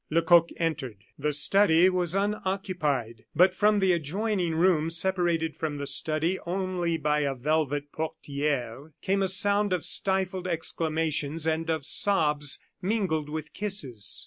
Lecoq entered. The study was unoccupied. But from the adjoining room, separated from the study only by a velvet portiere, came a sound of stifled exclamations, and of sobs mingled with kisses.